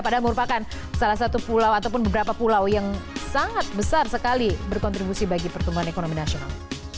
padahal merupakan salah satu pulau ataupun beberapa pulau yang sangat besar sekali berkontribusi bagi pertumbuhan ekonomi nasional